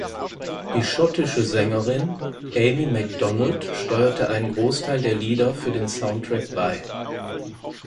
Die schottische Sängerin Amy Macdonald steuerte einen Großteil der Lieder für den Soundtrack bei.